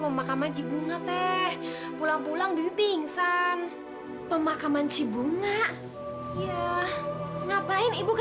sampai jumpa di video selanjutnya